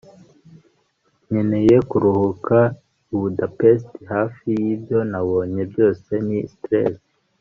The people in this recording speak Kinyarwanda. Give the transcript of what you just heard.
nkeneye kuruhuka i budapest, hafi y'ibyo nabonye byose ni stress